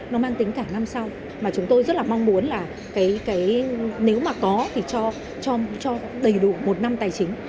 nó mang tính cả năm sau mà chúng tôi rất là mong muốn là nếu mà có thì cho đầy đủ một năm tài chính